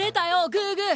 グーグー！